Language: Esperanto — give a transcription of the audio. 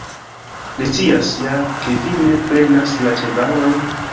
Li scias ja, ke vi ne prenas la ĉevalojn.